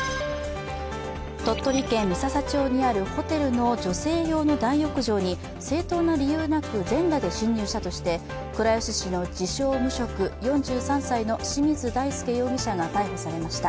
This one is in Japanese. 鳥取県三朝町にあるホテルの女性用大浴場に正当な理由なく全裸で侵入したとして倉吉市の自称・無職、清水大輔容疑者４３歳が逮捕されました。